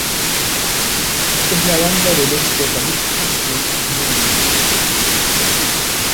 Es la banda del ex Vocalista de The Animals.